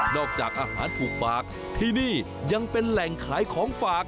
จากอาหารถูกปากที่นี่ยังเป็นแหล่งขายของฝาก